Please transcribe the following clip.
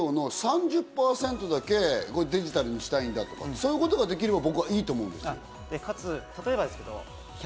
坂口さん、給料の３０％だけデジタルにしたいんだとか、そういうことができれば僕はいいと思うんです。